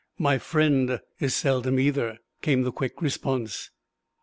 "My friend is seldom either," came the quick response.